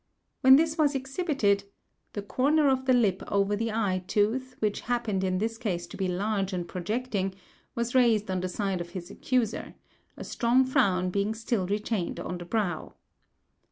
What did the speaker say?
When this was exhibited, "the corner of the lip over the eye tooth, which happened in this case to be large and projecting, was raised on the side of his accuser, a strong frown being still retained on the brow."